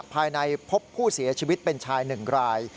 ภายในพบผู้เสียชีวิตเป็นชาย๑ราย